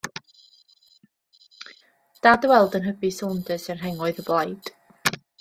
Da dy weld yn hybu Saunders yn rhengoedd y Blaid.